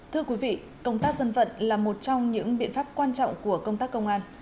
thưa quý vị công tác dân vận là một trong những biện pháp quan trọng của công tác công an